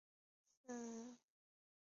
用数学归纳法。